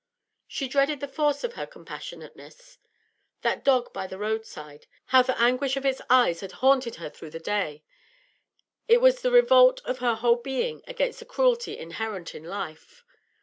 She dreaded the force of her compassionateness. That dog by the roadside; how the anguish of its eyes had haunted her through the day I It was the revolt of her whole being against the cruelty inherent in life.